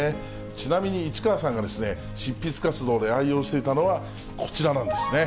ちなみに市川さんが執筆活動で愛用していたのはこちらなんですね。